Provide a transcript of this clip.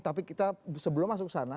tapi kita sebelum masuk sana